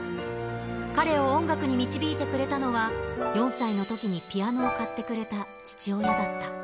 彼を音楽に導いてくれたのは、４歳のときにピアノを買ってくれた父親だった。